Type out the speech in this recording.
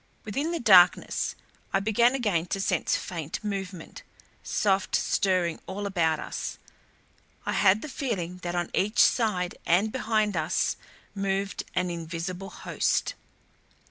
Within the darkness I began again to sense faint movement; soft stirring all about us. I had the feeling that on each side and behind us moved an invisible host.